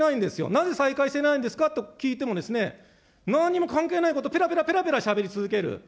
なぜ再開してないんですかと聞いてもですね、なんにも関係ないことぺらぺらぺらぺらしゃべり続ける。